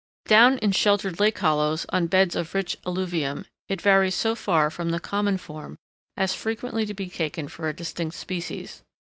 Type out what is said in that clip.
Down in sheltered lake hollows, on beds of rich alluvium, it varies so far from the common form as frequently to be taken for a distinct species.